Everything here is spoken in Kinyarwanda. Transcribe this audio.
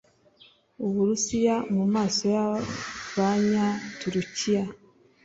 Uburusiya mu maso y'Abanya Turukiya